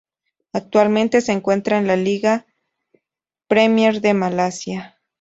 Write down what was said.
Actualmente se encuentra en el de la Liga Premier de Malasia.